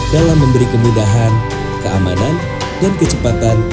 dalam memberi kemudahan keamanan dan kecepatan